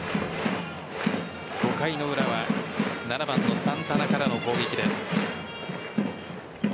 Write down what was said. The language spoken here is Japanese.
５回の裏は７番のサンタナからの攻撃です。